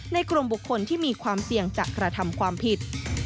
กลุ่มบุคคลที่มีความเสี่ยงจะกระทำความผิด